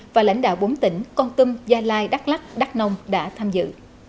và lãnh đạo bốn tỉnh con tâm gia lai đắk lắc đắk nông đã tham dự